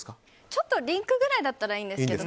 ちょっとリンクぐらいだったらいいんですけど。